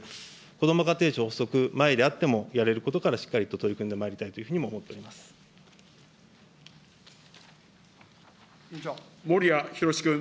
こども家庭庁発足前であっても、やれることからしっかりと取り組んでまいりたいというふうにも思森屋宏君。